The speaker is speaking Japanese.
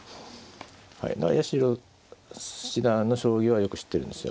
はいだから八代七段の将棋はよく知ってるんですよ。